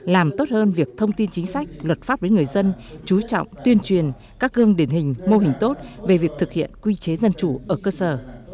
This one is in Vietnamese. làm tốt hơn việc thông tin chính sách luật pháp đến người dân chú trọng tuyên truyền các gương điển hình mô hình tốt về việc thực hiện quy chế dân chủ ở cơ sở